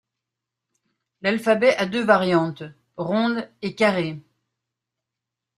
L'alphabet a deux variantes, ronde et carrée.